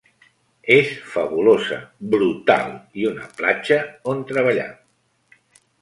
És fabulosa, brutal i una platja on treballar.